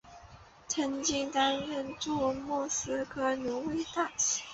曾经担任驻莫斯科挪威大使。